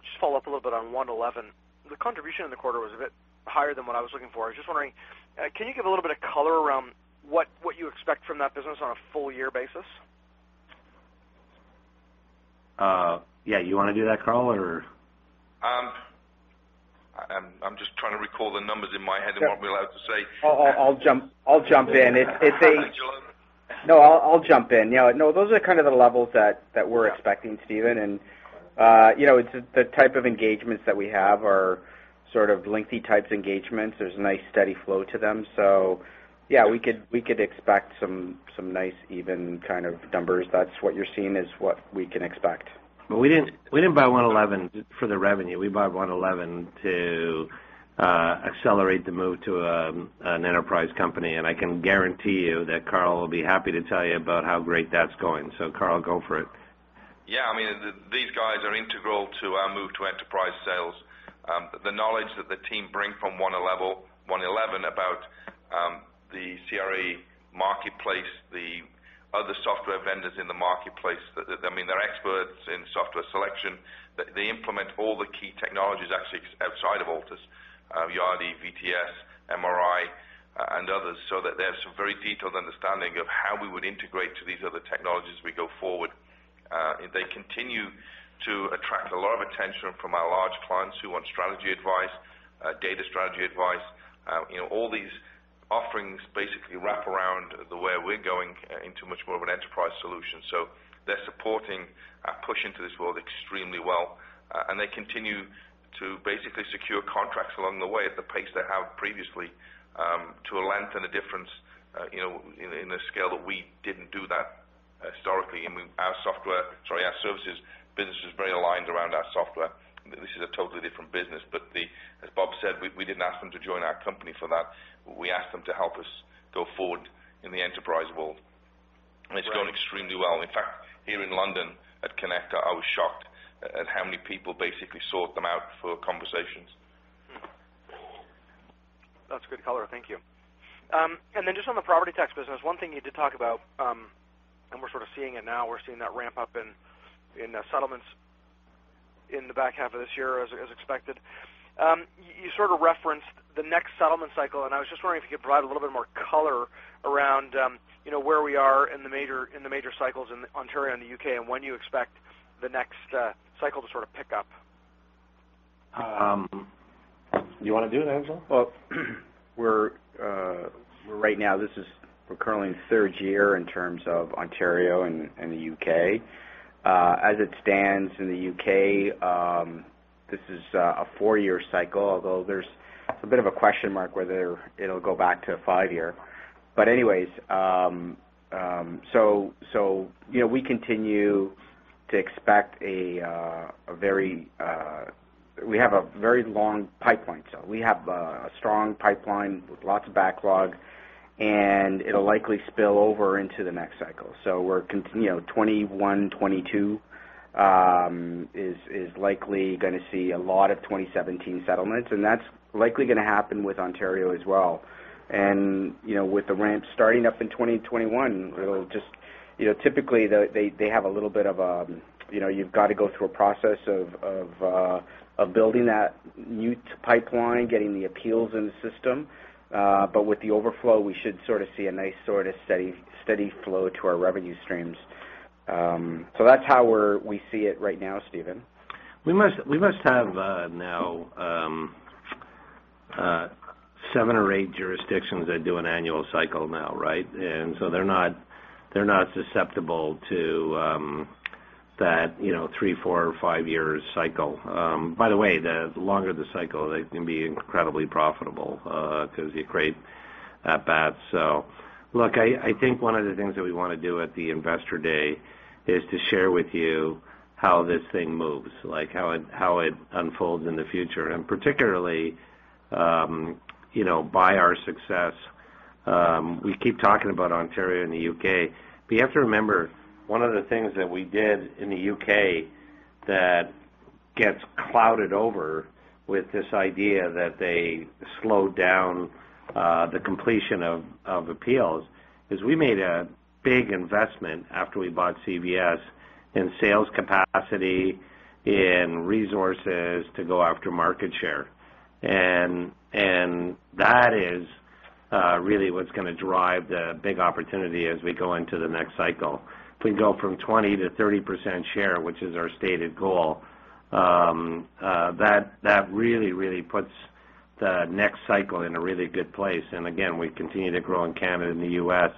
just follow up a little bit on One11. The contribution in the quarter was a bit higher than what I was looking for. I was just wondering, can you give a little bit of color around what you expect from that business on a full year basis? Yeah. You want to do that, Carl, or? I'm just trying to recall the numbers in my head and what we're allowed to say. I'll jump in. Go ahead, Angelo. No, I'll jump in. Those are kind of the levels that we're expecting, Stephen. The type of engagements that we have are sort of lengthy types engagements. There's a nice, steady flow to them. Yeah, we could expect some nice even kind of numbers. That's what you're seeing is what we can expect. We didn't buy One11 for the revenue. We bought One11 to accelerate the move to an enterprise company, and I can guarantee you that Carl will be happy to tell you about how great that's going. Carl, go for it. Yeah. These guys are integral to our move to enterprise sales. The knowledge that the team bring from One11 Advisors about the CRE marketplace, the other software vendors in the marketplace, they're experts in software selection. They implement all the key technologies actually outside of Altus, Yardi, VTS, MRI, and others, so that they have some very detailed understanding of how we would integrate to these other technologies as we go forward. They continue to attract a lot of attention from our large clients who want strategy advice, data strategy advice. All these offerings basically wrap around the way we're going into much more of an enterprise solution. So they're supporting our push into this world extremely well. And they continue to basically secure contracts along the way at the pace they have previously, to a length and a difference in a scale that we didn't do that historically. Our services business was very aligned around our software. This is a totally different business. As Bob said, we didn't ask them to join our company for that. We asked them to help us go forward in the enterprise world, and it's going extremely well. In fact, here in London at Connect, I was shocked at how many people basically sought them out for conversations. That's good color. Thank you. Then just on the Property Tax business, one thing you did talk about, and we're sort of seeing it now, we're seeing that ramp up in settlements in the back half of this year as expected. You sort of referenced the next settlement cycle, and I was just wondering if you could provide a little bit more color around where we are in the major cycles in Ontario and the U.K., and when you expect the next cycle to sort of pick up. You want to do that, Angelo? Well, right now, we're currently in the third year in terms of Ontario and the U.K. As it stands in the U.K., this is a four-year cycle, although there's a bit of a question mark whether it'll go back to a five-year. Anyways, we continue to expect a very. We have a very long pipeline. We have a strong pipeline with lots of backlog, and it'll likely spill over into the next cycle. We're continuing, 2021, 2022 is likely going to see a lot of 2017 settlements, and that's likely going to happen with Ontario as well. With the ramp starting up in 2021, typically, you've got to go through a process of building that new pipeline, getting the appeals in the system. With the overflow, we should sort of see a nice steady flow to our revenue streams. That's how we see it right now, Stephen. We must have now seven or eight jurisdictions that do an annual cycle now, right? They're not susceptible to that three, four or five years cycle. By the way, the longer the cycle, they can be incredibly profitable, because you create. Look, I think one of the things that we want to do at the Investor Day is to share with you how this thing moves, like how it unfolds in the future, and particularly, by our success, we keep talking about Ontario and the U.K. You have to remember, one of the things that we did in the U.K. that gets clouded over with this idea that they slowed down the completion of appeals is we made a big investment after we bought CVS in sales capacity, in resources to go after market share. That is really what's going to drive the big opportunity as we go into the next cycle. If we go from 20%-30% share, which is our stated goal, that really puts the next cycle in a really good place. Again, we continue to grow in Canada and the U.S.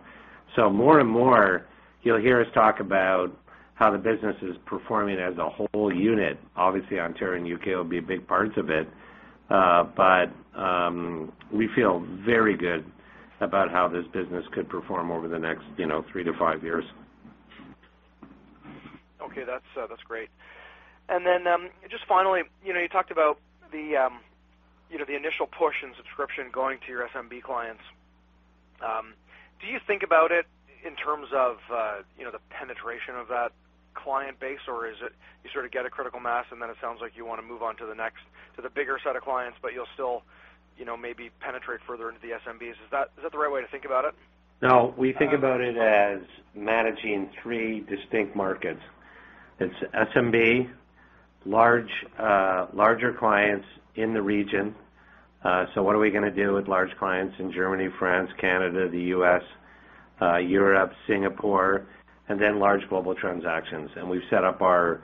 More and more, you'll hear us talk about how the business is performing as a whole unit. Obviously, Ontario and U.K. will be big parts of it. We feel very good about how this business could perform over the next three-five years. Okay. That's great. Just finally, you talked about the initial portion subscription going to your SMB clients. Do you think about it in terms of the penetration of that client base, or is it you sort of get a critical mass, and then it sounds like you want to move on to the next, to the bigger set of clients, but you'll still maybe penetrate further into the SMBs? Is that the right way to think about it? No. We think about it as managing three distinct markets. It's SMB, larger clients in the region. What are we going to do with large clients in Germany, France, Canada, the U.S., Europe, Singapore, and then large global transactions. We've set up our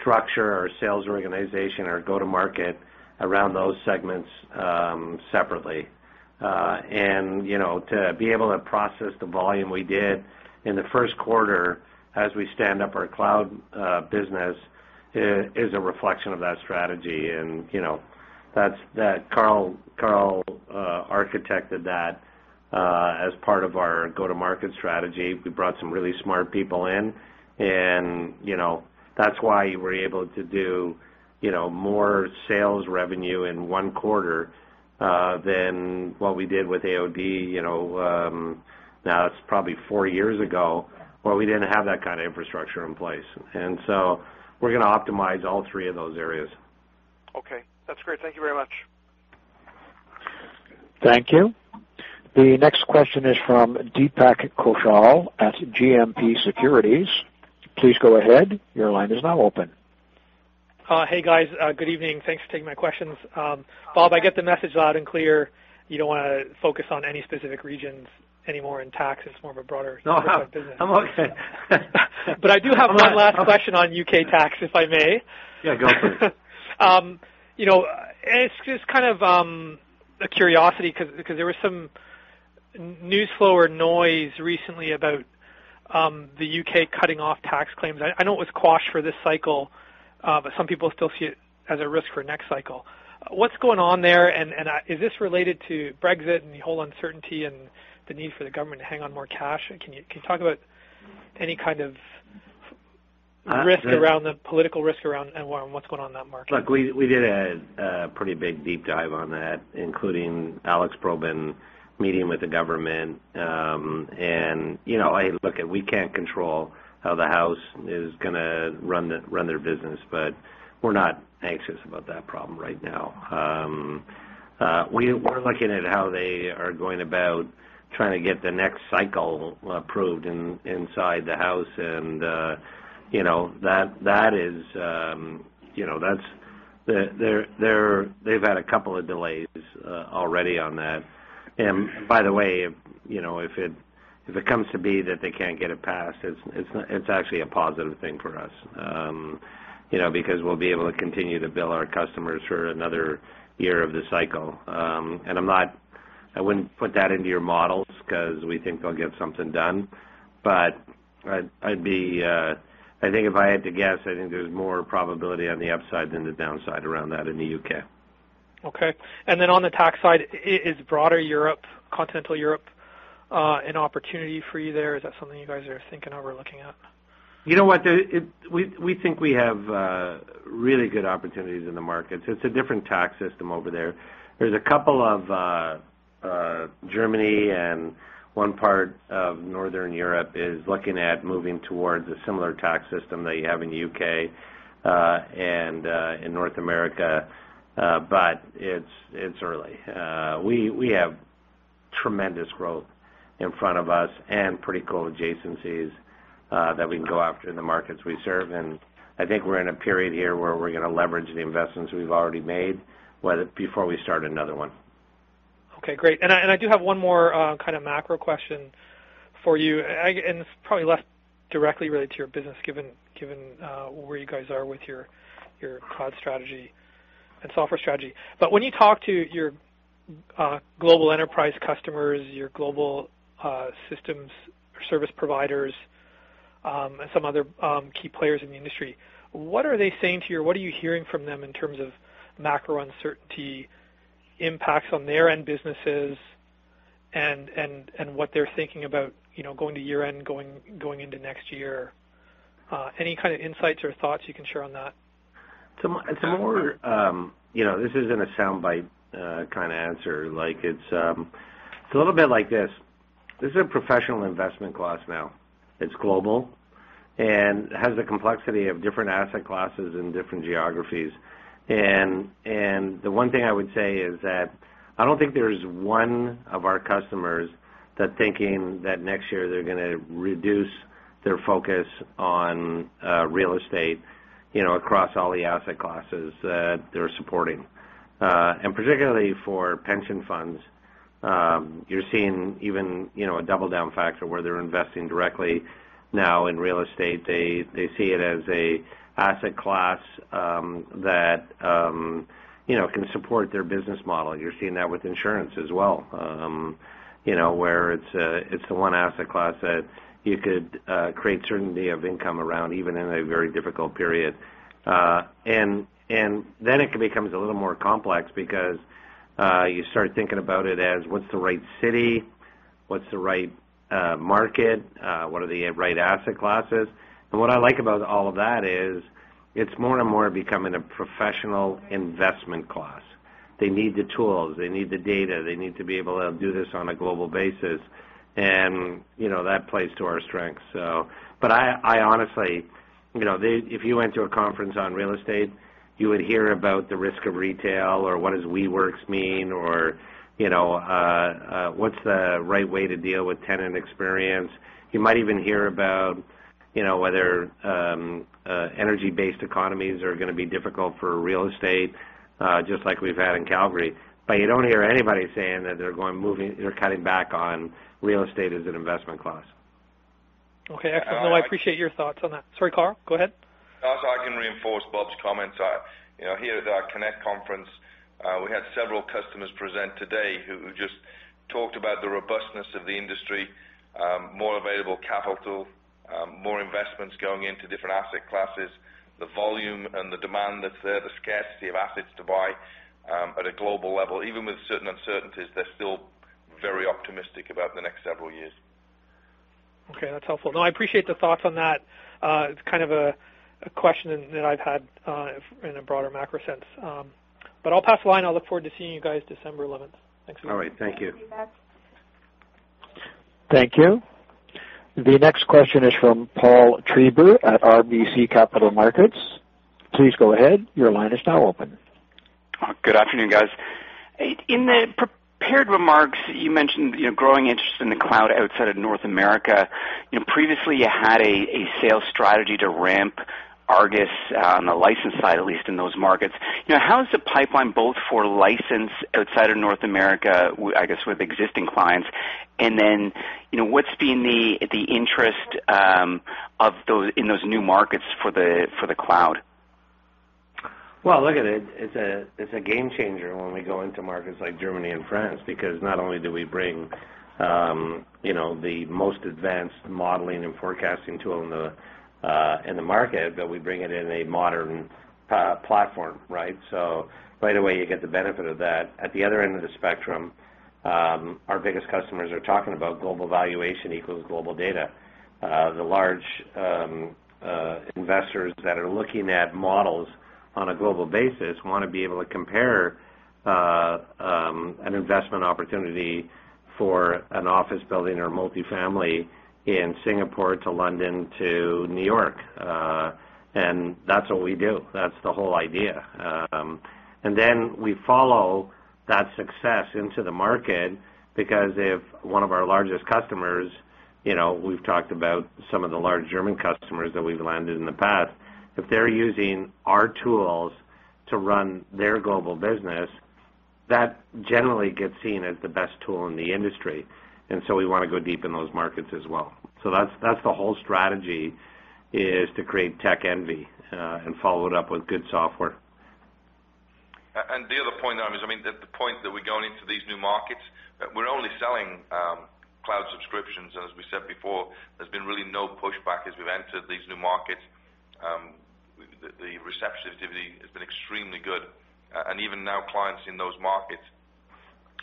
structure, our sales organization, our go-to-market around those segments separately. To be able to process the volume we did in the first quarter as we stand up our cloud business is a reflection of that strategy. Carl architected that as part of our go-to-market strategy. We brought some really smart people in, and that's why we're able to do more sales revenue in one quarter, than what we did with AOD. Now it's probably four years ago where we didn't have that kind of infrastructure in place. We're going to optimize all three of those areas. Okay. That's great. Thank you very much. Thank you. The next question is from Deepak Kaushal at GMP Securities. Please go ahead. Your line is now open. Hey, guys. Good evening. Thanks for taking my questions. Bob, I get the message loud and clear. You don't want to focus on any specific regions anymore in taxes. It's more of a broader business. No, I'm okay. I do have one last question on U.K. tax, if I may. Yeah, go for it. It's just kind of a curiosity because there was some news flow or noise recently about the U.K. cutting off tax claims. I know it was quashed for this cycle, but some people still see it as a risk for next cycle. What's going on there, and is this related to Brexit and the whole uncertainty and the need for the government to hang on more cash? Can you talk about any kind of- Uh, the- risk around the political risk around and what's going on in that market? Look, we did a pretty big deep dive on that, including Alex Probyn meeting with the government. Look, we can't control how the House is going to run their business, but we're not anxious about that problem right now. We're looking at how they are going about trying to get the next cycle approved in inside the House and they've had a couple of delays already on that. By the way, if it comes to be that they can't get it passed, it's actually a positive thing for us. We'll be able to continue to bill our customers for another year of the cycle. I wouldn't put that into your models because we think they'll get something done. I think if I had to guess, I think there's more probability on the upside than the downside around that in the U.K. Okay. On the tax side, is broader Europe, continental Europe, an opportunity for you there? Is that something you guys are thinking of or looking at? You know what? We think we have really good opportunities in the market. It's a different tax system over there. There's Germany and one part of Northern Europe is looking at moving towards a similar tax system that you have in the U.K., and in North America. It's early. We have tremendous growth in front of us and pretty cool adjacencies that we can go after in the markets we serve. I think we're in a period here where we're going to leverage the investments we've already made before we start another one. Okay, great. I do have one more kind of macro question for you, and it's probably less directly related to your business, given where you guys are with your cloud strategy and software strategy. When you talk to your global enterprise customers, your global systems service providers some other key players in the industry. What are they saying to you? What are you hearing from them in terms of macro uncertainty impacts on their end businesses and what they're thinking about going to year-end, going into next year? Any kind of insights or thoughts you can share on that? This isn't a soundbite kind of answer. It's a little bit like this. This is a professional investment class now. It's global and has the complexity of different asset classes and different geographies. The one thing I would say is that I don't think there's one of our customers that thinking that next year they're going to reduce their focus on real estate across all the asset classes that they're supporting. Particularly for pension funds, you're seeing even a double-down factor where they're investing directly now in real estate. They see it as an asset class that can support their business model. You're seeing that with insurance as well, where it's the one asset class that you could create certainty of income around, even in a very difficult period. It becomes a little more complex because you start thinking about it as what's the right city? What's the right market? What are the right asset classes? What I like about all of that is it's more and more becoming a professional investment class. They need the tools. They need the data. They need to be able to do this on a global basis, and that plays to our strengths. Honestly, if you went to a conference on real estate, you would hear about the risk of retail or what does WeWorks mean, or what's the right way to deal with tenant experience. You might even hear about whether energy-based economies are going to be difficult for real estate, just like we've had in Calgary. You don't hear anybody saying that they're cutting back on real estate as an investment class. Okay. Excellent. Well, I appreciate your thoughts on that. Sorry, Carl, go ahead. Also, I can reinforce Bob's comments. Here at our ARGUS Connect conference, we had several customers present today who just talked about the robustness of the industry, more available capital, more investments going into different asset classes, the volume and the demand that's there, the scarcity of assets to buy at a global level. Even with certain uncertainties, they're still very optimistic about the next several years. Okay, that's helpful. No, I appreciate the thoughts on that. It's kind of a question that I've had in a broader macro sense. I'll pass the line. I'll look forward to seeing you guys December 11th. Thanks so much. All right, thank you. Thank you. The next question is from Paul Treiber at RBC Capital Markets. Please go ahead. Your line is now open. Good afternoon, guys. In the prepared remarks, you mentioned growing interest in the cloud outside of North America. Previously, you had a sales strategy to ramp ARGUS on the licensed side, at least in those markets. How is the pipeline both for license outside of North America, I guess, with existing clients, and then what's been the interest in those new markets for the cloud? Look, it's a game changer when we go into markets like Germany and France because not only do we bring the most advanced modeling and forecasting tool in the market, but we bring it in a modern platform, right? Right away, you get the benefit of that. At the other end of the spectrum, our biggest customers are talking about global valuation equals global data. The large investors that are looking at models on a global basis want to be able to compare an investment opportunity for an office building or multifamily in Singapore to London to New York, and that's what we do. That's the whole idea. Then we follow that success into the market because if one of our largest customers, we've talked about some of the large German customers that we've landed in the past. If they're using our tools to run their global business, that generally gets seen as the best tool in the industry, and so we want to go deep in those markets as well. That's the whole strategy is to create tech envy and follow it up with good software. The other point there is, the point that we're going into these new markets, that we're only selling cloud subscriptions. As we said before, there's been really no pushback as we've entered these new markets. The receptivity has been extremely good. Even now, clients in those markets,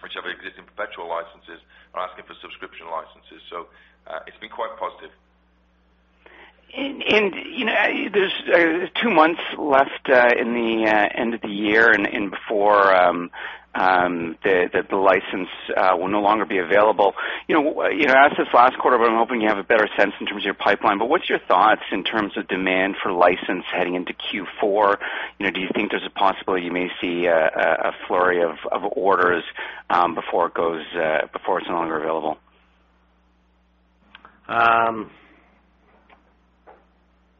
which have existing perpetual licenses, are asking for subscription licenses. It's been quite positive. There's two months left in the end of the year and before the license will no longer be available. You know, you asked this last quarter, but I'm hoping you have a better sense in terms of your pipeline. What's your thoughts in terms of demand for license heading into Q4? Do you think there's a possibility you may see a flurry of orders before it's no longer available?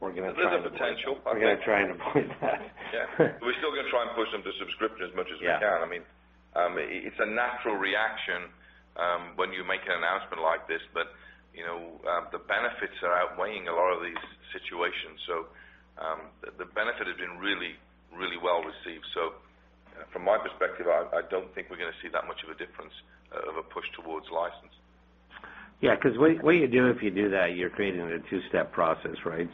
We're going to try and avoid that. There's a potential. We're going to try and avoid that. Yeah. We're still going to try and push them to subscription as much as we can. Yeah. It's a natural reaction when you make an announcement like this, but the benefits are outweighing a lot of. Really well received. From my perspective, I don't think we're going to see that much of a difference of a push towards licensed. What you do if you do that, you're creating a two-step process, right?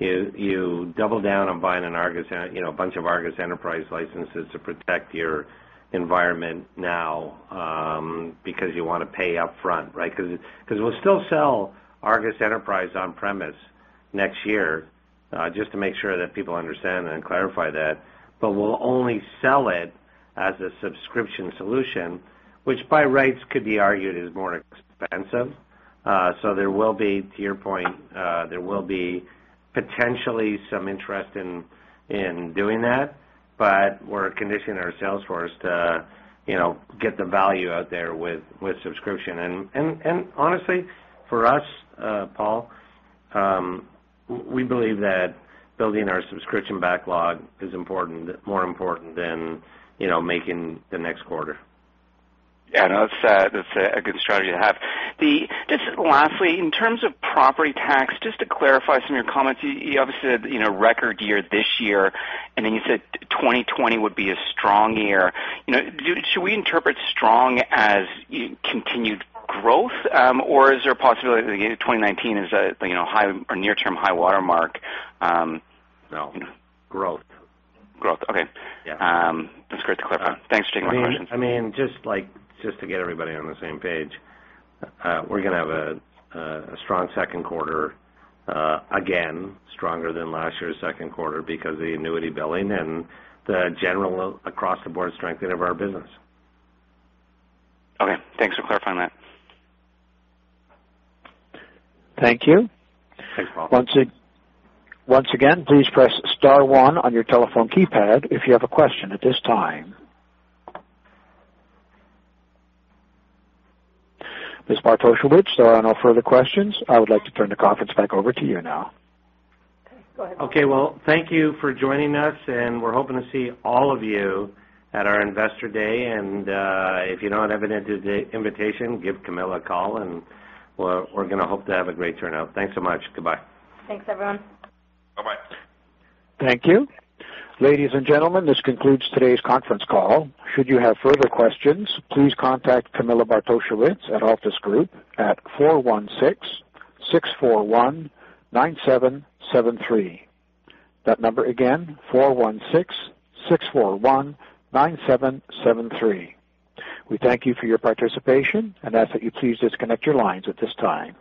You double down on buying a bunch of ARGUS Enterprise licenses to protect your environment now, because you want to pay up front, right? We'll still sell ARGUS Enterprise on-premise next year, just to make sure that people understand and clarify that. We'll only sell it as a subscription solution, which by rights could be argued is more expensive. To your point, there will be potentially some interest in doing that, but we're conditioning our sales force to get the value out there with subscription. Honestly, for us, Paul, we believe that building our subscription backlog is more important than making the next quarter. Yeah, no, that's a good strategy to have. Just lastly, in terms of Property Tax, just to clarify some of your comments. You obviously had a record year this year, and then you said 2020 would be a strong year. Should we interpret strong as continued growth? Or is there a possibility that 2019 is a near-term high watermark? No. Growth. Growth. Okay. Yeah. That's great to clarify. Thanks for taking my questions. Just to get everybody on the same page, we're going to have a strong second quarter, again, stronger than last year's second quarter because of the annuity billing and the general across-the-board strengthening of our business. Okay. Thanks for clarifying that. Thank you. Thanks, Paul. Once again, please press star one on your telephone keypad if you have a question at this time. Ms. Bartosiewicz, there are no further questions. I would like to turn the conference back over to you now. Okay. Well, thank you for joining us, and we're hoping to see all of you at our investor day. If you don't have an invitation, give Camilla a call, and we're going to hope to have a great turnout. Thanks so much. Goodbye. Thanks, everyone. Bye-bye. Thank you. Ladies and gentlemen, this concludes today's conference call. Should you have further questions, please contact Camilla Bartosiewicz at Altus Group at 416-641-9773. That number again, 416-641-9773. We thank you for your participation and ask that you please disconnect your lines at this time.